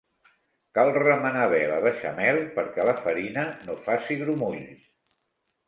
Cal remenar bé la beixamel perquè la farina no faci grumolls.